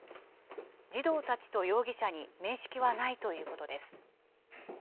児童たちと容疑者に面識はないということです。